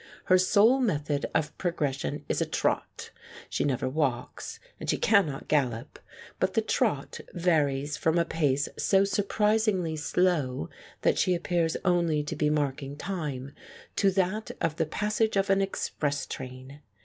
Her sole method of progression is a trot; she never walks, and she cannot gallop, but the trot varies from a pace so surprisingly slow that she appears only to be marking time, to that of the passage of an express train.